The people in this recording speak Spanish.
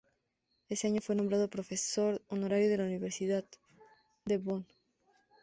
Ese año, fue nombrado profesor honorario de la Universidad de Bonn.